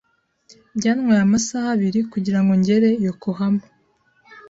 Byantwaye amasaha abiri kugirango ngere Yokohama.